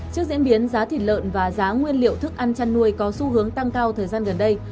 trước diễn biến giá thịt lợn và giá nguyên liệu thức ăn chăn nuôi có xu hướng tăng cao thời gian gần đây